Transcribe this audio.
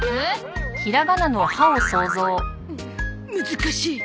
難しい。